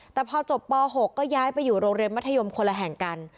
แต่พอจบป๖ก็ย้ายไปอยู่โรงเรียนมัธยมคนละแห่งกัน